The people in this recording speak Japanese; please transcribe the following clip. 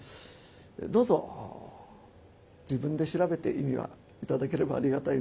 どうぞ自分で調べて意味は頂ければありがたいなと思っております。